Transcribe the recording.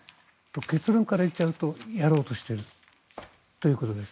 結論から言っちゃうとやろうとしているということです。